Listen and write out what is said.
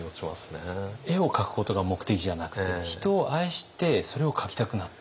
絵を描くことが目的じゃなくて人を愛してそれを描きたくなった。